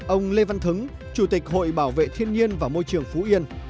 ông lê văn thứ chủ tịch hội bảo vệ thiên nhiên và môi trường phú yên